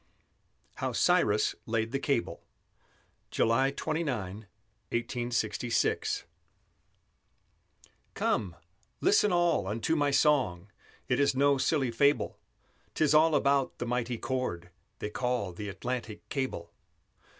HOW CYRUS LAID THE CABLE [July 29, 1866] Come, listen all unto my song; It is no silly fable; 'Tis all about the mighty cord They call the Atlantic Cable.